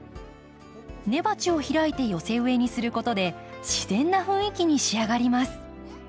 根鉢を開いて寄せ植えにすることで自然な雰囲気に仕上がります。